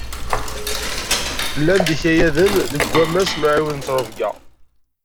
Llan-d yikayaden deg wammas n uɛiwed n ttrebga.